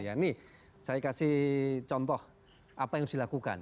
ini saya kasih contoh apa yang harus dilakukan